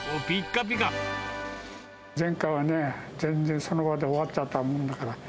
前回はね、全然その場で終わっちゃったもんだから。